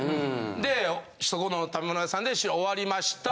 でそこの食べ物屋さんで終わりました。